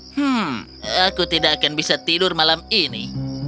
hmm aku tidak akan bisa tidur malam ini